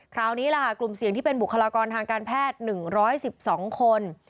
คราวนี้ล่ะค่ะกลุ่มเสี่ยงที่เป็นบุคลากรทางการแพทย์๑๑๒คน